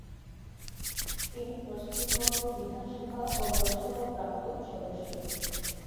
তিনি পশ্চিমবঙ্গ বিধানসভা ও লোকসভার প্রাক্তন সদস্য।